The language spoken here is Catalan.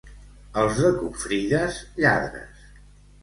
Els de Confrides, lladres.